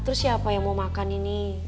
terus siapa yang mau makan ini